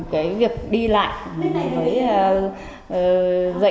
cái việc đi lại cái việc đi lại cái việc đi lại cái việc đi lại